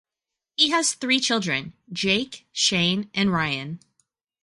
He has three children: Jake, Shane, and Ryan.